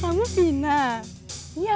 kamu ingat sama aku kan